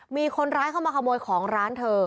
มีคนร้ายเข้ามาขโมยของร้านเธอ